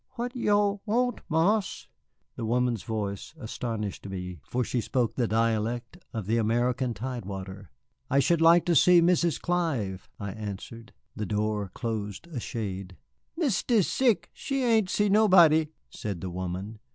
"What yo' want, Marse?" The woman's voice astonished me, for she spoke the dialect of the American tide water. "I should like to see Mrs. Clive," I answered. The door closed a shade. "Mistis sick, she ain't see nobody," said the woman.